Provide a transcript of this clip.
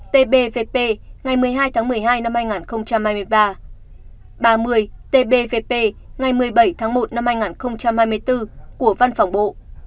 tám trăm hai mươi tám tbvp ngày một mươi hai tháng một mươi hai năm hai nghìn hai mươi ba ba mươi tbvp ngày một mươi bảy tháng một năm hai nghìn hai mươi bốn của văn phòng bộ